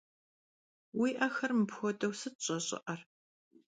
Vui 'exer mıpxuedeu sıt ş'eş'ı'er?